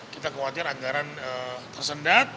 kita khawatir anggaran tersendat